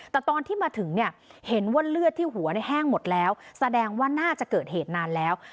แต่ตอนที่มาถึงเนี่ยเห็นว่าเลือดที่หัวแห้งหมดแล้วแสดงว่าน่าจะเกิดเหตุนานแล้ว